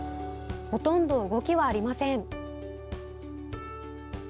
ほとんど動きはありません。